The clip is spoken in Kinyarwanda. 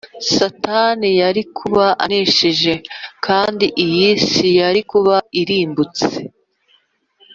Satani yari kuba anesheje kandi iyi si yari kuba irimbutse